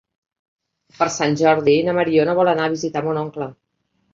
Per Sant Jordi na Mariona vol anar a visitar mon oncle.